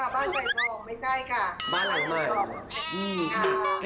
พี่ใหม่อยู่พระราชภาษณ์ใช่ไหมคะ